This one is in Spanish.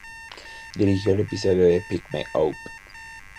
Dirigió el episodio "Pick me up".